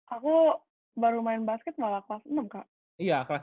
aku baru main basket malah kelas enam kak